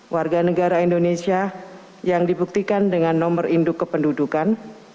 warga negara indonesia yang dibuktikan dengan nomor induk kependudukan